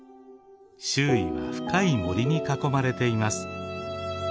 周囲は深い森に囲まれています。